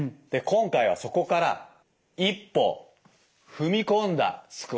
今回はそこから一歩踏み込んだスクワット。